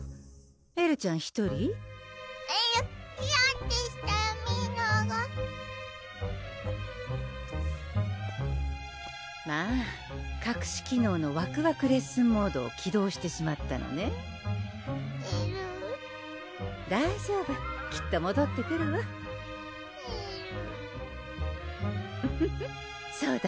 エルちゃん１人？えるやぁってしたらみんながまぁかくし機能のワクワクレッスンモードを起動してしまったのねえるぅ大丈夫きっともどってくるわえるぅフフフッそうだ